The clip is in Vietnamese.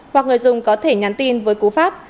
hoặc người dùng có thể nhắn tin với cú pháp